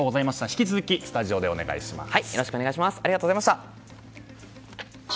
引き続きスタジオでお願いします。